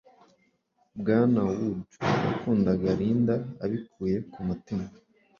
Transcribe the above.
Bwana Wood yakundaga Linda abikuye ku mutima.